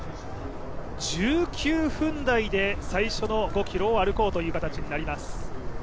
１９分台で最初の５ｋｍを歩こうという形になっています。